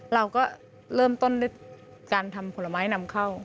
เราก็เริ่มต้นด้วยการทำผลไม้นำเข้า